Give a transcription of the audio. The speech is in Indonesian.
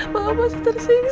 maaf masih tersingkir